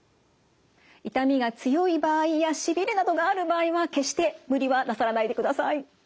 痛みが強い場合やしびれなどがある場合は決して無理はなさらないでください。